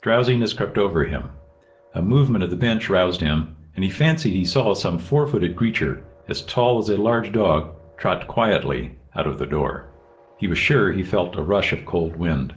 Drowsiness crept over him. A movement of the bench roused him, and he fancied he saw some four footed creature as tall as a large dog trot quietly out of the door. He was sure he felt a rush of cold wind.